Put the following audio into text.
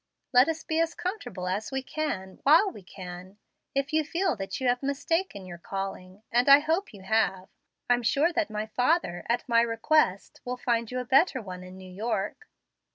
Let us be as comfortable as we can, while we can. If you feel that you have mistaken your calling and I hope you have I'm sure that father, at my request, will find you a better one in New York."